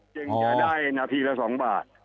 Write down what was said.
จึงจะได้นาทีละ๒บาท